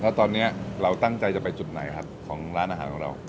แล้วตอนนี้เราตั้งใจจะไปจุดไหนครับของร้านอาหารของเรา